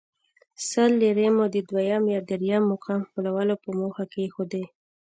سل لیرې مو د دویم یا درېیم مقام خپلولو په موخه کېښودې.